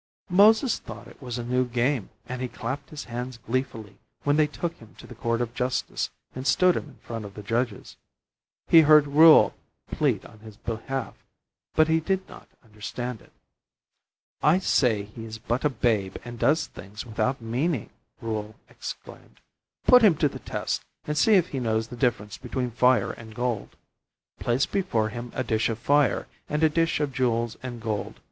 Moses thought it was a new game and he clapped his hands gleefully when they took him to the court of justice and stood him in front of the judges. He heard Reuel plead on his behalf, but he did not understand it. "I say he is but a babe and does things without meaning," Reuel exclaimed. "Put him to the test, and see if he knows the difference between fire and gold. Place before him a dish of fire and a dish of jewels and gold.